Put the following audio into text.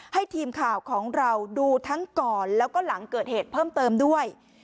ให้ทีมข่าวของเราดูทั้งก่อนแล้วก็หลังเกิดเหตุเพิ่มเติมด้วย